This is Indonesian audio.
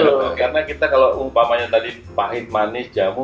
loh karena kita kalau umpamanya tadi pahit manis jamu